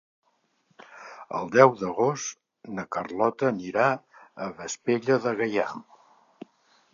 El deu d'agost na Carlota anirà a Vespella de Gaià.